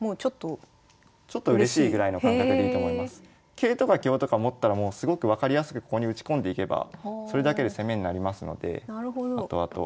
桂とか香とか持ったらすごく分かりやすくここに打ち込んでいけばそれだけで攻めになりますのであとあと。